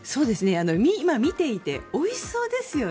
今、見ていておいしそうですよね。